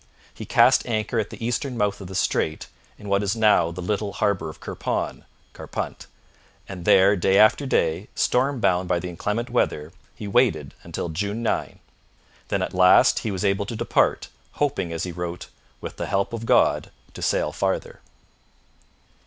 He cast anchor at the eastern mouth of the strait, in what is now the little harbour of Kirpon (Carpunt), and there day after day, stormbound by the inclement weather, he waited until June 9. Then at last he was able to depart, hoping, as he wrote, 'with the help of God to sail farther.'